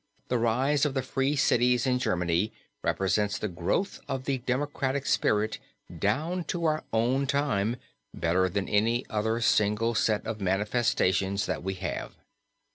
The rise of the free cities in Germany represents the growth of the democratic spirit down to our own time, better than any other single set of manifestations that we have.